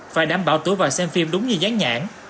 phải đảm bảo tuổi vào xem phim đúng như gián nhãn